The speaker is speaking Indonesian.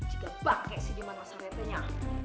jika pake si diman masa repenya